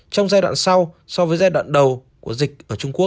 trong giai đoạn sau so với giai đoạn đầu của dịch ở trung quốc